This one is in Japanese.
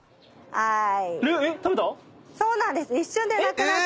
はい。